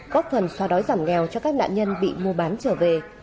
góp phần xoa đói giảm nghèo cho các nạn nhân bị mua bán trở về